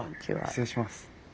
失礼します。